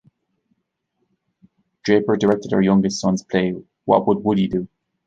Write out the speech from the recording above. Draper directed her youngest son's play What Would Woody Do?